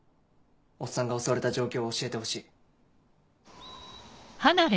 おっさんが襲われた状況を教えてほしい。